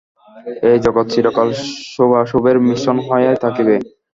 এই জগৎ চিরকাল শুভাশুভের মিশ্রণ হইয়াই থাকিবে।